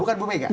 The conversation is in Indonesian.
bukan ibu mega